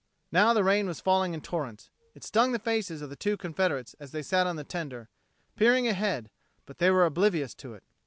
Now the rain was falling in torrents. It stung the faces of the two Confederates as they sat on the tender, peering ahead, but they were oblivious to it.